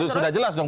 sudah jelas dong